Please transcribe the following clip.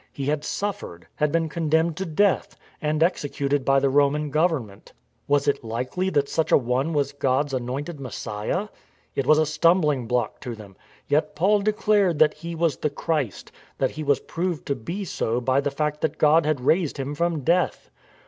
He had suffered, had been condemned to death, and executed by the Roman Government. Was it likely that such a one was God's anointed Messiah ? It was a stumbling block to them. Yet Paul declared that He was the Christ, that He was proved to be so by the fact that God had raised Him from death.